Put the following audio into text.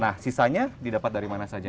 nah sisanya didapat dari mana saja